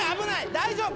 大丈夫？